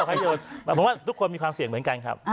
อาจารย์โยนผมว่าทุกคนมีความเสี่ยงเหมือนกันครับ